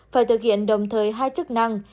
phải thực hiện đồng thời hai chức năng